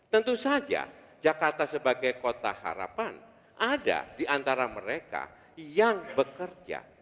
tentu saja jakarta sebagai kota harapan ada di antara mereka yang bekerja